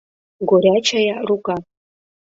Горячая рука...